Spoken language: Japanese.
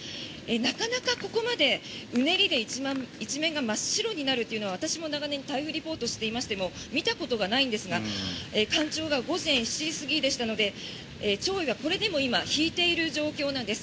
なかなか、ここまでうねりで一面が真っ白になるというのは私も長年台風リポートをしていましても見たことがないんですが干潮が午前７時過ぎでしたので潮位はこれでも今、引いている状況なんです。